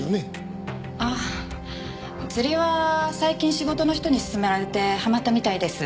ああ釣りは最近仕事の人に勧められてはまったみたいです。